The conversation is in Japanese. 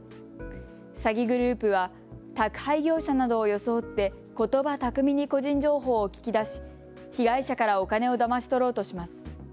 詐欺グループは宅配業者などを装ってことば巧みに個人情報を聞き出し、被害者からお金をだまし取ろうとします。